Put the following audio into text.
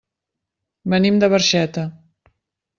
Venim de Barxeta.